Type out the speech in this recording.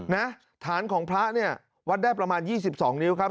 นะฐานของพระเนี่ยวัดได้ประมาณ๒๒นิ้วครับ